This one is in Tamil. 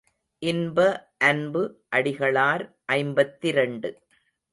இன்ப அன்பு அடிகளார் ஐம்பத்திரண்டு.